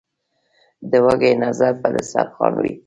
ـ د وږي نظر په دستر خوان وي.